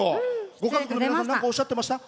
ご家族の皆さんなんか、おっしゃってました？